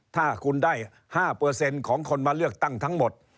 ถ้าคุณได้๕เปอร์เซ็นต์ของคนมาเลือกตั้งทั้งหมด